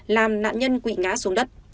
làm nạn nhân quỵ ngã xuống đất